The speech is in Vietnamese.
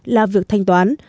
là việc thanh toán